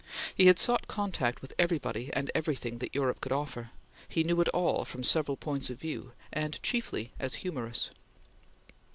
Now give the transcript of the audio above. He had sought contact with everybody and everything that Europe could offer. He knew it all from several points of view, and chiefly as humorous.